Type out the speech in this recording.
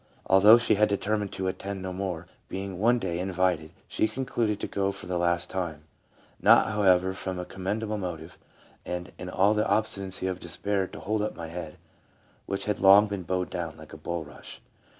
Although she had determined to attend no more, being one day invited, she concluded to go for the last time, not, however, from a com mendable motive, and " in all the obstinacy of despair to hold up my head, which had long been bowed down, like a bulrush."